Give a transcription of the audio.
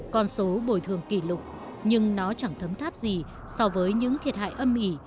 con số bồi thường kỷ lục nhưng nó chẳng thấm tháp gì so với những thiệt hại âm ỉ